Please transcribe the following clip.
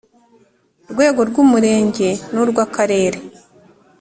rwego rw Umurenge n urw Akarere